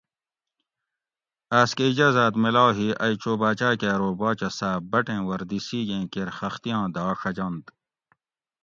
آۤس کہ اجازاۤت میلاؤ ہی ائی چو باچاۤ کہ ارو باچہ صاۤب بٹیں وردی سِیگیں کیر خختی آں داۤ ڛجنت